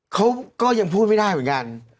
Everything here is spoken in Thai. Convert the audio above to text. เขาก็ยังพูดไม่ได้เหมือนกัน